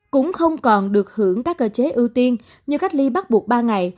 cũng không còn được hưởng các cơ chế ưu tiên như cách ly bắt buộc ba ngày